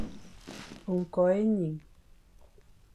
Ékôkh énẑiñ,